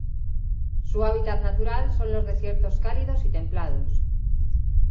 Su hábitat natural son los desiertos cálidos y templados.